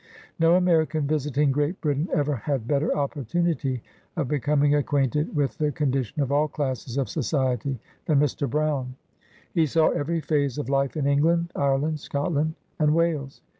No American visiting Great Britain ever had better opportunity of becoming acquainted with the con dition of all classes of society than Mr. Brown. He saw every phase of life in England, Ireland, Scotland and Wales.